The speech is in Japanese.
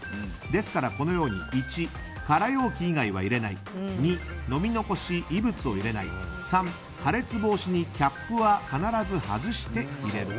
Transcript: ですから、このように１、空容器以外は入れない２、飲み残し・異物は入れない３、破裂防止にキャップは必ず外して入れる。